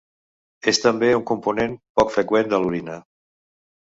És també un component poc freqüent de l'orina.